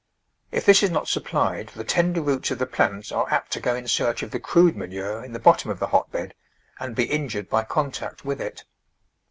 If this is not supplied the tender roots of the plants are apt to go in search of the crude manure in die bottom of the hotbed, and be injured by contact with it.